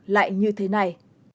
lại như thế này